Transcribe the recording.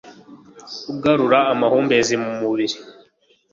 Ugarura amahumbezi mu mubiri